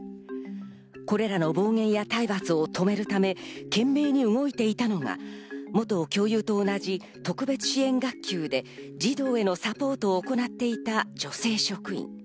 これらの暴言や体罰を止めるため、懸命に動いていたのが元教諭と同じ特別支援学級で児童へのサポートを行っていた女性職員。